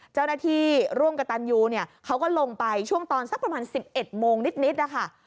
เจ้าหน้าที่ร่วมกับตันยูเนี่ยเขาก็ลงไปช่วงตอนสักประมาณ๑๑โมงนิดนะคะ